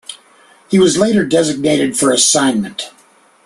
He was later designated for assignment.